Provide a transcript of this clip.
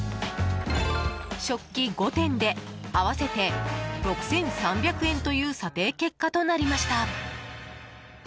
食器５点で合わせて６３００円という査定結果となりました。